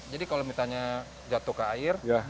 jadi kalau misalnya jatuh ke air